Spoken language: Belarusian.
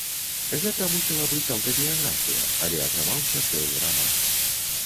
Гэта мусіла быць аўтабіяграфія, але атрымаўся цэлы раман.